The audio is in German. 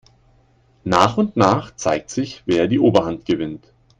Nach und nach zeigt sich, wer die Oberhand gewinnt.